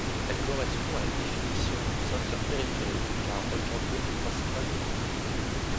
Elle correspond à la définition de ceinture périphérique car reliant deux des principales autoroutes.